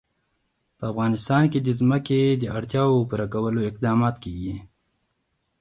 په افغانستان کې د ځمکه د اړتیاوو پوره کولو اقدامات کېږي.